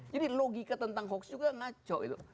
jadi logika tentang hoax juga ngaco gitu